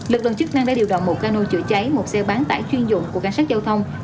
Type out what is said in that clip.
lực lượng chức năng đã điều động một cano chữa cháy một xe bán tải chuyên dụng của cảnh sát giao thông